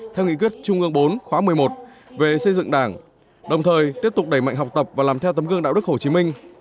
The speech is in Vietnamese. theo nghị quyết trung ương bốn khóa một mươi một về xây dựng đảng đồng thời tiếp tục đẩy mạnh học tập và làm theo tấm gương đạo đức hồ chí minh